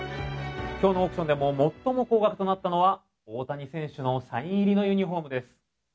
どのオークションでも最も高額となったのが大谷選手のサイン入りのユニホームです。